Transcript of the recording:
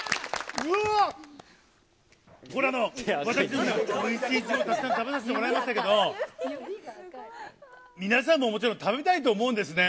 これ、おいしいイチゴたくさん食べさせていただきましたけど、皆さんももちろん、食べたいと思うんですね。